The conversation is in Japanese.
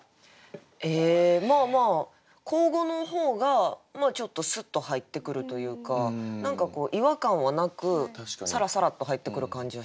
えまあまあ口語の方がちょっとスッと入ってくるというか何かこう違和感はなくサラサラと入ってくる感じはしますかね。